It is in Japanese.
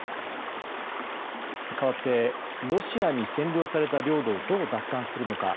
かわってロシアに占領された領土をどう奪還するのか。